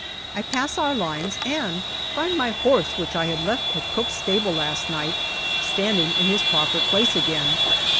I pass our lines and find my horse, which I had left at Cooke's stable last night, standing in his proper place again.